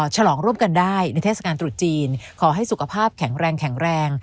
ฉลองร่วมกันได้ในเทศกาลตรุษจีนขอให้สุขภาพแข็งแรงแข็งแรง